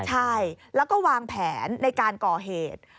ใช่แล้วก็วางแผนในการก่อเหตุ